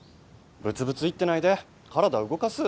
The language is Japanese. ブツブツ言ってないで体動かす。